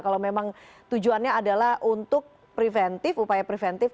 kalau memang tujuannya adalah untuk preventif upaya preventif